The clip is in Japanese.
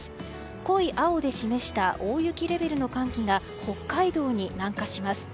濃い青で示した大雪レベルの寒気が北海道に南下します。